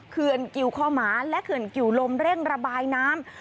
เขื่อนกิวคอหมาและเขื่อนกิวลมเร่งระบายน้ำ